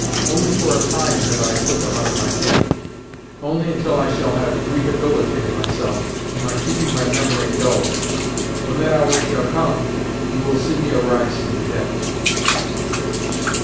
Only for a time have I put them out of my head. Only until I shall have rehabilitated myself, am I keeping my memory dulled. When that hour shall come, you will see me arise from the dead."